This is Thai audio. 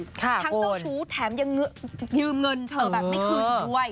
ทั้งเจ้าชู้แถมยังยืมเงินเธอแบบไม่คืนอีกด้วย